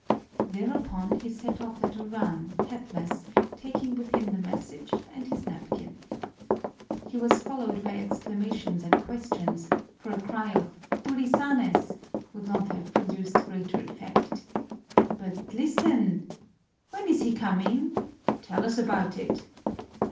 Thereupon he set off at a run, hatless, taking with him the message and his napkin. He was followed by exclamations and questions, for a cry of "Tulisanes!" would not have produced greater effect. "But, listen!" "When is he coming?" "Tell us about it!"